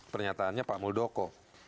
pernyataannya pak muldoko